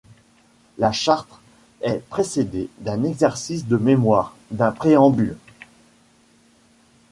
La charte est précédée d'un exercice de mémoire, d'un préambule.